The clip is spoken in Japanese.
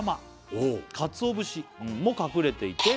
おお「かつお節も隠れていて」